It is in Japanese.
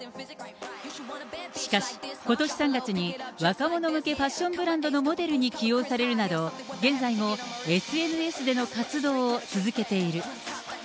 しかし、ことし３月に若者向けファッションブランドのモデルに起用されるなど、現在もＳＮＳでの活動を続けている。